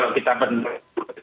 kalau kita benar